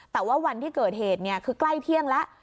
แต่ว่าวันที่เกิดเหตุคือใกล้เที่ยงแล้ว